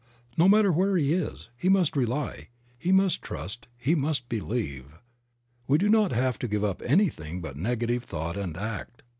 No matter where he is, he must rely, he must trust, he must believe. We do not have to give up anything but negative thought and act.